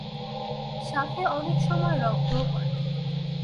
সাথে অনেক সময় রক্তও পরে।